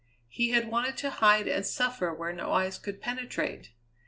He had wanted to hide and suffer where no eyes could penetrate.